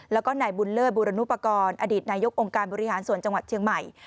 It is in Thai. แล้วก็นายบุญเลิศบุรณุปกรณ์อดีตนายกองค์การบริหารส่วนจังหวัดเชียงใหม่